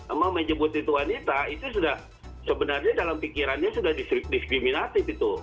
emang menyebut itu wanita itu sudah sebenarnya dalam pikirannya sudah diskriminatif itu